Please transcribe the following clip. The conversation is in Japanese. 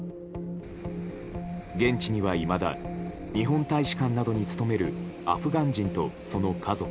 現地にはいまだ日本大使館などに勤めるアフガン人とその家族